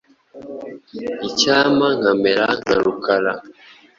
Icyampa nkamera nka Rukara .